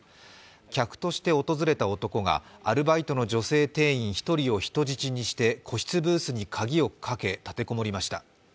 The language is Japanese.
客として訪れた男が、アルバイトの女性店員１人を人質にして個室ブースに鍵をかけ、立て籠もりました。